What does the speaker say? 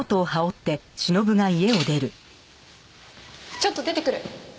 ちょっと出てくる。